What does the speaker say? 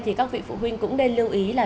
thì các vị phụ huynh cũng nên lưu ý là